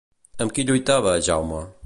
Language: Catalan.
Amb qui lluitava Jaume?